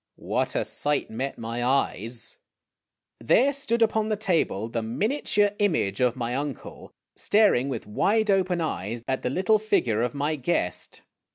What a sight met my eyes ! There stood upon the table the miniature image of my uncle, staring with wide open eyes at the little figure of my guest.